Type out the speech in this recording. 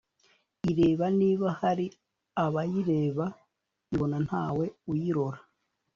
ireba niba hari abayireba, ibona ntawe uyirora,